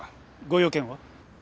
ご用件は？